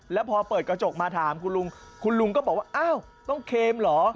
แล้วพอเปิดกระจกมาถามคุณลุงคุณลุงก็บอกว่าอ้าวต้องเคมเหรอ